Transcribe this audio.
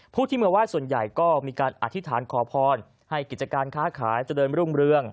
ผู้ที่มาไหว้ส่วนใหญ่ก็มีการอธิษฐานขอพรให้กิจการค้าขายเจริญรุ่งเรือง